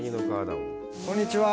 こんにちは。